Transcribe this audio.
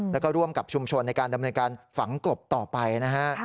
แล้วก็ร่วมกับชุมชนในการดำเนินการฝังกลบต่อไปนะฮะ